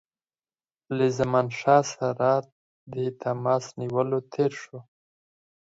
له زمانشاه سره د تماس نیولو تېر شو.